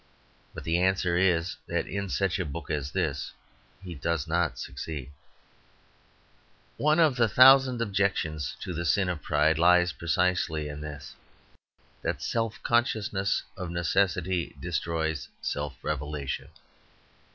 But the answer is that in such a book as this he does not succeed. One of the thousand objections to the sin of pride lies precisely in this, that self consciousness of necessity destroys self revelation.